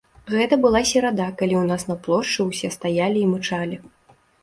Гэта была серада, калі ў нас на плошчы ўсе стаялі і мычалі.